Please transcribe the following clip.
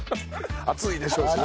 熱いでしょうしね。